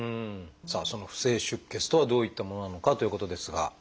その不正出血とはどういったものなのかということですが。